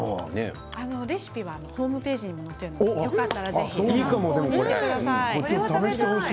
レシピはホームページに載っているのでよかったら参考にしてください。